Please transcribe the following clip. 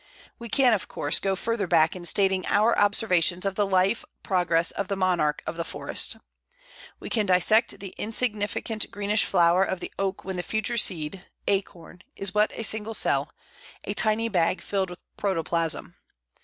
We can, of course, go further back in starting our observations of the life progress of the monarch of the forest. We can dissect the insignificant greenish flower of the Oak when the future seed (acorn) is but a single cell, a tiny bag filled with protoplasm.